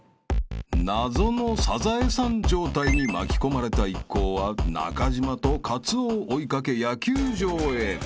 ［謎の『サザエさん』状態に巻き込まれた一行は中島とカツオを追い掛け野球場へ］